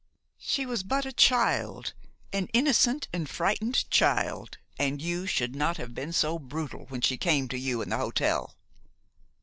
She was but a child, an innocent and frightened child, and you should not have been so brutal when she came to you in the hotel.